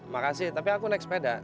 makasih tapi aku naik sepeda